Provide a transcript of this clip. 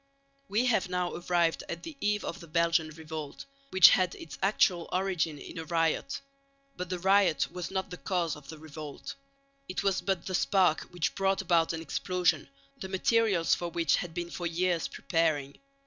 We have now arrived at the eve of the Belgian Revolt, which had its actual origin in a riot. But the riot was not the cause of the revolt; it was but the spark which brought about an explosion, the materials for which had been for years preparing.